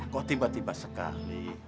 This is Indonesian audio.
kok tiba tiba sekali